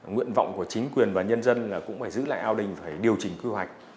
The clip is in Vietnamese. nguyện vọng của chính quyền và nhân dân là cũng phải giữ lại ao đình phải điều chỉnh quy hoạch